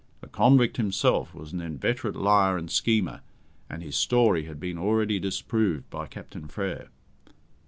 The convict himself was an inveterate liar and schemer, and his story had been already disproved by Captain Frere."